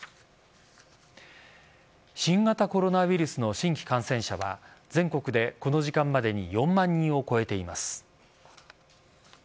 新型コロナウイルスの新規感染者は全国でこの時間までに４万人を超えています。